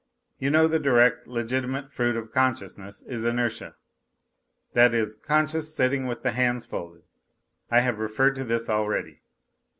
You know the direct, legitimate fruit of conscious ness is inertia, that is, conscious sitting with the hands folded. I have referred to this already.